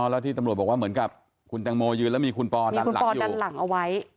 แล้วที่ตำรวจบอกว่าเหมือนกับคุณแตงโมยืนแล้วมีคุณปอดันหลังอยู่ดันหลังเอาไว้